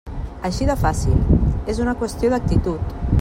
Així de fàcil, és una qüestió d'actitud.